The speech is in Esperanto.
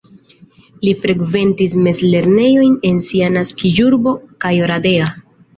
Li frekventis mezlernejojn en sia naskiĝurbo kaj Oradea.